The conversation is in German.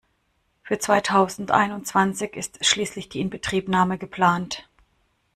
Für zweitausendeinundzwanzig ist schließlich die Inbetriebnahme geplant.